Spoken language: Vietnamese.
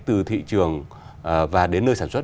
từ thị trường và đến nơi sản xuất